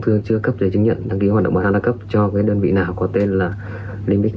thương chưa cấp giấy chứng nhận đăng ký hoạt động bất hợp pháp cho cái đơn vị nào có tên là limit